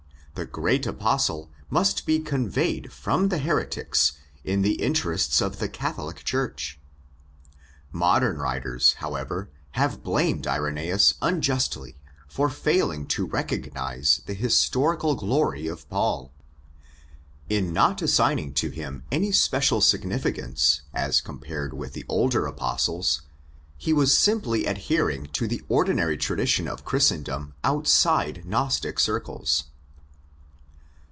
The great Apostle must be '' conveyed '' from the "heretics '' in the interests of the Catholic Church. Modern writers, however, have blamed Ireneus unjustly for failing to recognise the '' historical glory' of Paul. In not assigning to him any special significance as compared with the older Apostles, he was simply adhering to the ordinary tradition of Christendom outside Gnostic circles.